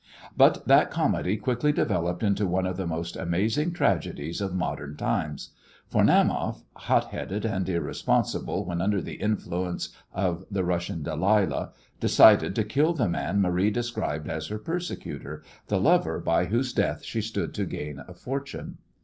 But that comedy quickly developed into one of the most amazing tragedies of modern times, for Naumoff, hot headed and irresponsible when under the influence of the Russian Delilah, decided to kill the man Marie described as her persecutor, the lover by whose death she stood to gain a fortune.